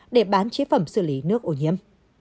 để bán chế phẩm xử lý nước ô nhiễm